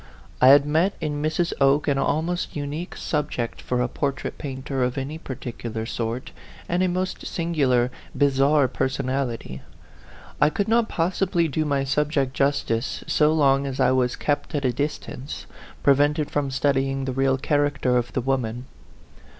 I had met in Mrs. Oke an almost unique sub ject for a portrait painter of any particular sort, and a most singular, bizarre personality. I could not possibly do my subject justice so long as I was kept at a distance, prevented from studying the real character of the wom an.